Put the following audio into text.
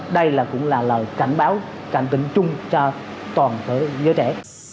đây là cũng là lời cảnh báo cảnh tình chung cho toàn thể giới trẻ